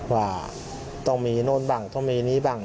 ว่าต้องมีโน้นบ้างต้องมีนี้บ้าง